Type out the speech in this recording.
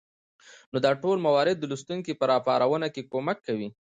نو دا ټول موارد د لوستونکى په راپارونه کې کمک کوي